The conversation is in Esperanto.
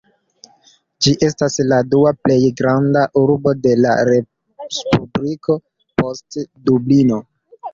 Ĝi estas la dua plej granda urbo de la respubliko, post Dublino.